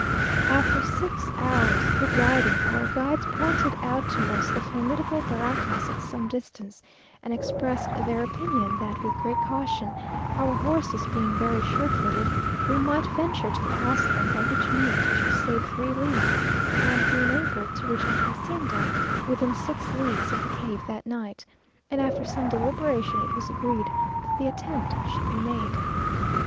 After six hours'good riding, our guides pointed out to us the formidable barrancas at some distance, and expressed their opinion, that, with great caution, our horses being very sure footed, we might venture to pass them, by which means we should save three leagues, and be enabled to reach an hacienda within six leagues of the cave that night; and after some deliberation, it was agreed that the attempt should be made.